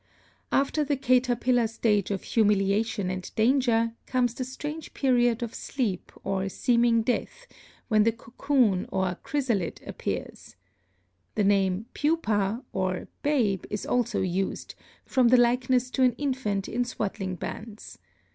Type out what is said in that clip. After the caterpillar stage of humiliation and danger, comes the strange period of sleep or seeming death, when the cocoon or chrysalid appears. The name pupa or babe is also used, from the likeness to an infant in swaddling bands.